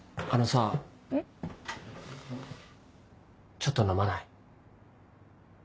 ちょっと飲まない？